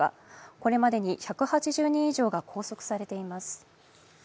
これまでに１８０人以上が拘束されています。